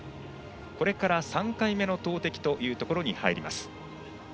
これから３回目の投てきというところに入ります。